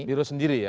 biroh sendiri ya